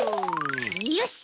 よし。